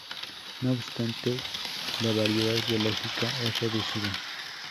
No obstante, la variedad biológica es reducida.